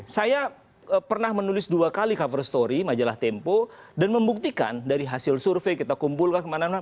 saya pernah menulis dua kali cover story majalah tempo dan membuktikan dari hasil survei kita kumpulkan kemana mana